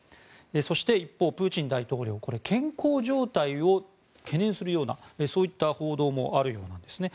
そして一方、プーチン大統領これは健康状態を懸念するようなそういった報道もあるようなんですね。